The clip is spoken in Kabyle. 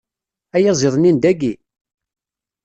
Ayaziḍ-nni n dayi?